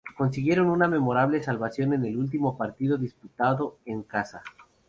Consiguieron una memorable salvación en el último partido disputado en casa.